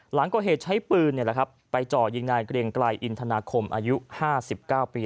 หลังก่อเหตุใช้ปืนไปจ่อยิงนายเกรงไกรอินทนาคมอายุ๕๙ปี